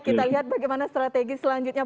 kita lihat bagaimana strategi selanjutnya